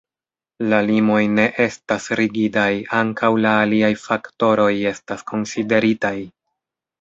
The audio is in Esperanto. La limoj ne estas rigidaj, ankaŭ la aliaj faktoroj estas konsideritaj.